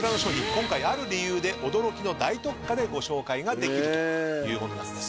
今回ある理由で驚きの大特価でご紹介ができるというものです。